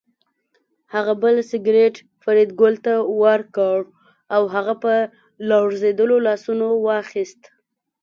هغه بل سګرټ فریدګل ته ورکړ او هغه په لړزېدلو لاسونو واخیست